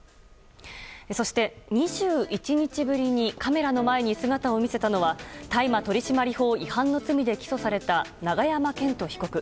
そして２１日ぶりにカメラの前に姿を見せたのは大麻取締法違反の罪で起訴された永山絢斗被告。